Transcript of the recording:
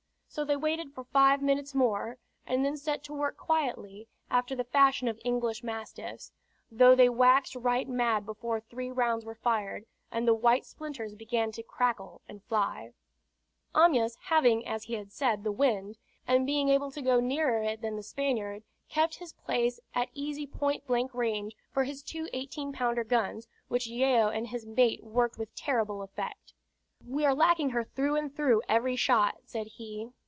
So they waited for five minutes more, and then set to work quietly, after the fashion of English mastiffs, though they waxed right mad before three rounds were fired, and the white splinters began to crackle and fly. Amyas, having, as he had said, the wind, and being able to go nearer it than the Spaniard, kept his place at easy point blank range for his two eighteen pounder guns, which Yeo and his mate worked with terrible effect. "We are lacking her through and through every shot," said he.